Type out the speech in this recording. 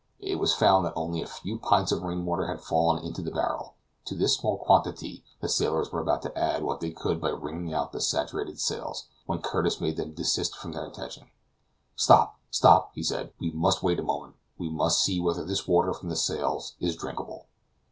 It was found that only a few pints of rain water had fallen into the barrel; to this small quantity the sailors were about to add what they could by wringing out the saturated sails, when Curtis made them desist from their intention. "Stop, stop!" he said "we must wait a moment; we must see whether this water from the sails is drinkable."